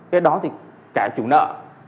cái đó thì cả chủ nợ